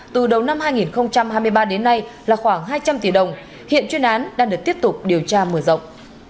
từ đầu năm hai nghìn hai mươi ba đến nay là khoảng hai trăm linh tỷ đồng hiện chuyên án đang được tiếp tục điều tra mở rộng